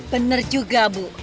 bener juga bu